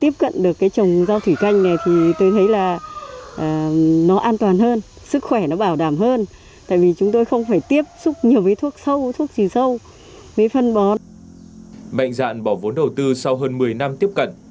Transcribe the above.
mạnh dạn bỏ vốn đầu tư sau hơn một mươi năm tiếp cận